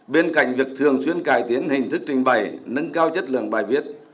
bên cạnh việc thường xuyên cải tiến hình thức trình bày nâng cao chất lượng bài viết